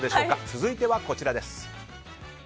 続いては、こちらです。